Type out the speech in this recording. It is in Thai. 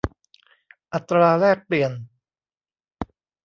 อัตราแลกเปลี่ยน